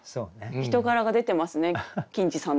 人柄が出てますね欣次さんの。